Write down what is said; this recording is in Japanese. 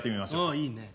あいいね。